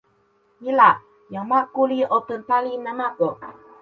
ni la, jan Maku li open pali namako.